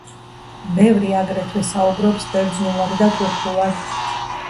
ბევრი აგრეთვე საუბრობს ბერძნულად და თურქულად.